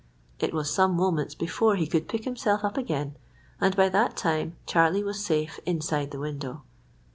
It was some moments before he could pick himself up again, and by that time Charlie was safe inside the window.